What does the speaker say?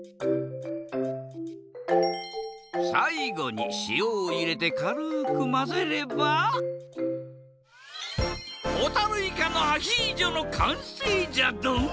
さいごにしおをいれてかるくまぜればほたるいかのアヒージョのかんせいじゃドン。